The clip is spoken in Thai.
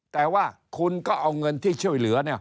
แต่ว่าคุณก็เอาเงินที่ช่วยเหลือ